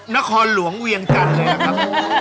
นครหลวงเวียงจันทร์เลยนะครับ